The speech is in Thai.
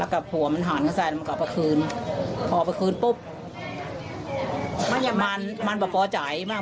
คืนตะว่าคืนตะว่าแม่แหล่ง